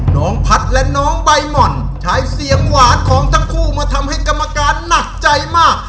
น้องพัฒน์และน้องใบหม่อนใช้เสียงหวานของทั้งคู่มาทำให้กรรมการหนักใจมาก